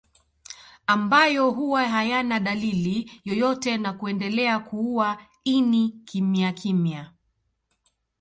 Ambayo huwa hayana dalili yoyote na kuendelea kuua ini kimyakimya